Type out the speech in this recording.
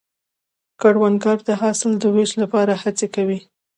کروندګر د حاصل د ویش لپاره هڅې کوي